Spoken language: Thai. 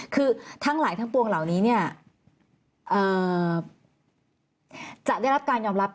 คือทั้งหลายทั้งปวงเหล่านี้เนี่ยจะได้รับการยอมรับ